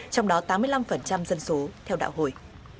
trong đó tám mươi năm dân số theo đạo hồi